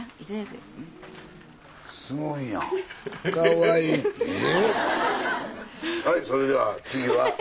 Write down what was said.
はいそれでは次は千優と。